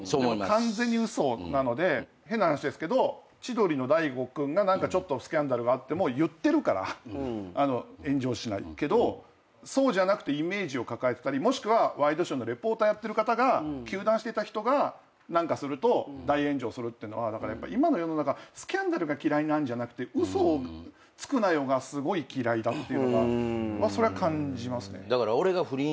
完全に嘘なので変な話ですけど千鳥の大悟君がちょっとスキャンダルがあっても言ってるから炎上しないけどそうじゃなくてイメージを抱えてたりもしくはワイドショーのリポーターやってる方が糾弾してた人が何かすると大炎上するってのは今の世の中スキャンダルが嫌いなんじゃなくて嘘をつくなよがすごい嫌いだっていうのがそれは感じますね。